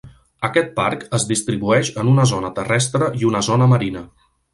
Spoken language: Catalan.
Aquest parc es distribueix en una zona terrestre i una zona marina.